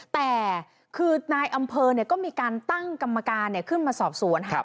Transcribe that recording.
แต่คือนายอำเภอก็มีการตั้งกรรมการขึ้นมาสอบสวน